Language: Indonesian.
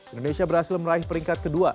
indonesia berhasil meraih peringkat kedua